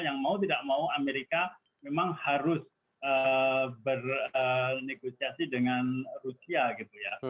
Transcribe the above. yang mau tidak mau amerika memang harus bernegosiasi dengan rusia gitu ya